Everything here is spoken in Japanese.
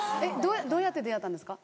どうやって出会ったんですか？